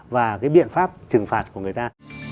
và cái biện pháp trừng phạt của người ta